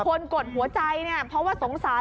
คนกดหัวใจเพราะว่าสงสาร